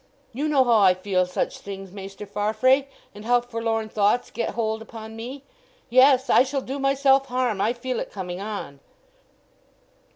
You know how I feel such things, Maister Farfrae, and how forlorn thoughts get hold upon me. Yes—I shall do myself harm—I feel it coming on!"